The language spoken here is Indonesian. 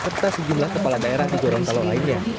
serta sejumlah kepala daerah di gorontalo lainnya